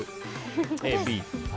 Ａ、Ｂ。